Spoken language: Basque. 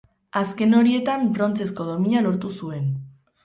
Azken horietan brontzezko domina lortu zuen.